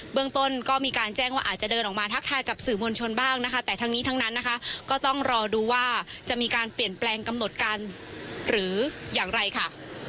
เมืองต้นก็มีการแจ้งว่าอาจจะเดินออกมาทักทายกับสื่อมวลชนบ้างนะคะแต่ทั้งนี้ทั้งนั้นนะคะก็ต้องรอดูว่าจะมีการเปลี่ยนแปลงกำหนดการหรืออย่างไรค่ะ